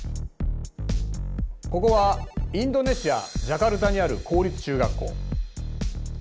ここはインドネシア・ジャカルタにある公立中学校。